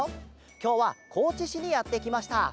きょうはこうちしにやってきました。